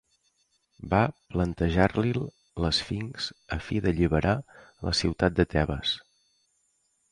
Va plantejar-li'l l'esfinx a fi d'alliberar la ciutat de Tebes.